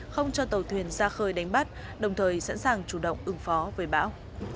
không cho tàu thuyền ra khơi đánh bắt đồng thời sẵn sàng chủ động ứng phó với bão